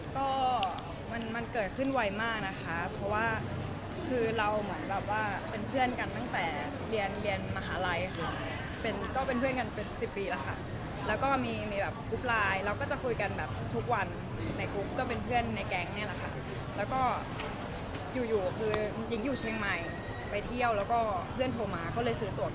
ก็มันเกิดขึ้นไวมากนะคะเพราะว่าคือเราเหมือนแบบว่าเป็นเพื่อนกันตั้งแต่เรียนเรียนมหาลัยค่ะเป็นก็เป็นเพื่อนกันเป็นสิบปีแล้วค่ะแล้วก็มีแบบกรุ๊ปไลน์เราก็จะคุยกันแบบทุกวันในกรุ๊ปก็เป็นเพื่อนในแก๊งเนี่ยแหละค่ะแล้วก็อยู่อยู่คือหญิงอยู่เชียงใหม่ไปเที่ยวแล้วก็เพื่อนโทรมาก็เลยซื้อตรวจ